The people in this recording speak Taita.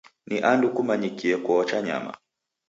Ni andu kumanyikie koocha nyama.